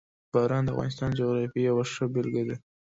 باران د افغانستان د جغرافیې یوه ښه بېلګه ده.